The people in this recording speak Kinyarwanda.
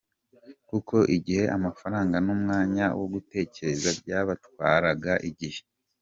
Kuko igihe, amafaranga n’umwanya wo gutegereza byabatwatra igihe.